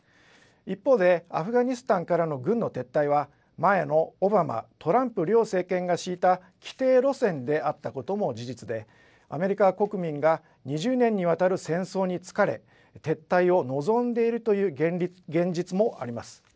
一方で、アフガニスタンからの軍の撤退は、前のオバマ、トランプ両政権が敷いた既定路線であったことも事実で、アメリカ国民が２０年にわたる戦争に疲れ、撤退を望んでいるという現実もあります。